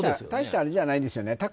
大したあれじゃないですよね。